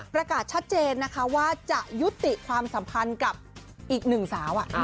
ประกาศชัดเจนนะคะว่าจะยุติความสัมพันธ์กับอีกหนึ่งสาว